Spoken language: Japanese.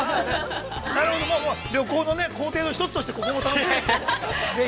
◆なるほど、旅行の行程の１つとしてね、ここも楽しんでね。